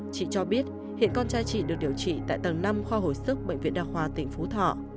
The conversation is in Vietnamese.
chị cho biết hiện con trai chị được điều trị tại tầng năm kho hồi sức bệnh viện đà hòa tỉnh phú thọ